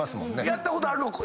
やったことあるの？